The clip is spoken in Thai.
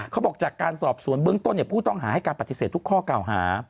เขาบอกจากการสอบสวนเบื้องต้นผู้ต้องหาให้การปฏิเสธทุกข้อเก่าหา